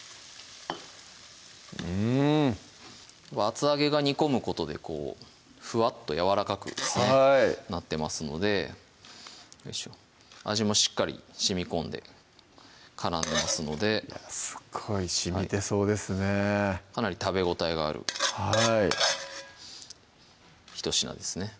うん厚揚げが煮込むことでこうふわっとやわらかくですねなってますので味もしっかりしみこんで絡んでますのですっごいしみてそうですねかなり食べ応えがあるはいひと品ですね